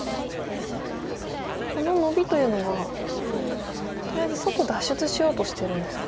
このノビというのはとりあえず外脱出しようとしてるんですか。